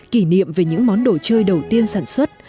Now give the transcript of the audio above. kỷ niệm về những món đồ chơi đầu tiên sản xuất